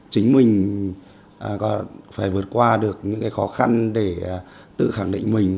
chính mình phải vượt qua được những khó khăn để tự khẳng định mình